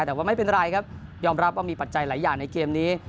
แต่ว่าไม่เป็นไรครับยอมรับว่ามีปัจจัยหลายอย่างในเกมนี้